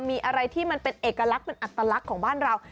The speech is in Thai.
มีอะไรที่มันเป็นเอกลักษณ์เป็นอัตลักษณ์ของบ้านเรา